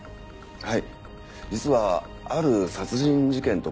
はい。